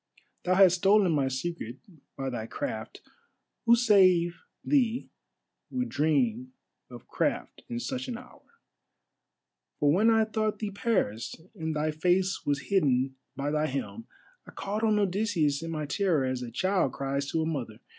Thou hast stolen my secret by thy craft; who save thee would dream of craft in such an hour? For when I thought thee Paris, and thy face was hidden by thy helm, I called on Odysseus in my terror, as a child cries to a mother.